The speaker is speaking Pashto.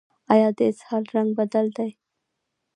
ایا د اسهال رنګ بدل دی؟